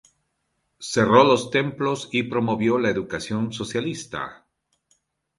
Cerró los templos y promovió la educación socialista.